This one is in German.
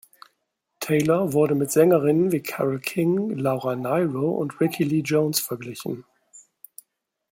Taylor wurde mit Sängerinnen wie Carole King, Laura Nyro und Rickie Lee Jones verglichen.